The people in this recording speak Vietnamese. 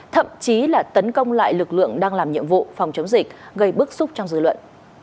thậm chí là tấn công lại lực lượng đang làm nhiệm vụ phòng chống dịch gây bức xúc trong dư luận